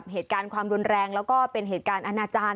เหตุการณ์ความรุนแรงแล้วก็เป็นเหตุการณ์อนาจารย์